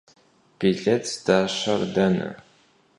Bilêt zdaşer dene?